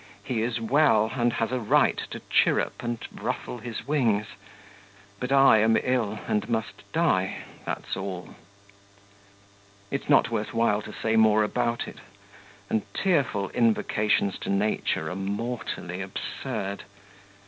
He is well and has a right to chirrup and ruffle his wings; but I am ill and must die that's all. It's not worth while to say more about it. And tearful invocations to nature are mortally absurd.